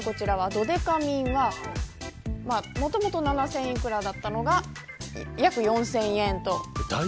ドデカミンはもともと７千幾らだったものが約４０００円と。